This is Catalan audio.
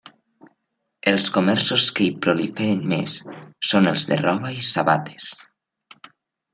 Els comerços que hi proliferen més són els de roba i sabates.